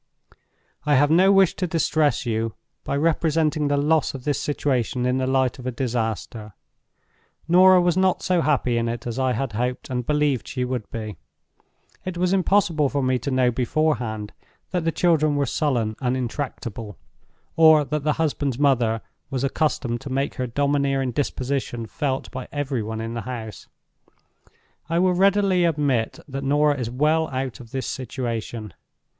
"I have no wish to distress you by representing the loss of this situation in the light of a disaster. Norah was not so happy in it as I had hoped and believed she would be. It was impossible for me to know beforehand that the children were sullen and intractable, or that the husband's mother was accustomed to make her domineering disposition felt by every one in the house. I will readily admit that Norah is well out of this situation.